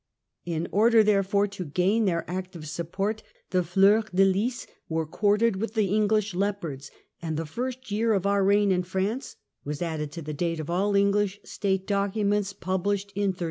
In order, there fore, to gain their active support the Fleurs de lys were quartered with the English Leopards, and "the first year of our reign in France" was added to the date of all English State documents pubHshed in 1337.